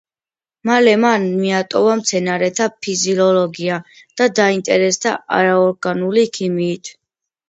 მალე მან მიატოვა მცენარეთა ფიზიოლოგია და დაინტერესდა არაორგანული ქიმიით.